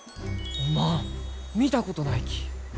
おまん見たことないき！